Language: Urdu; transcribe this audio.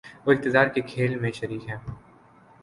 وہ اقتدار کے کھیل میں شریک ہیں۔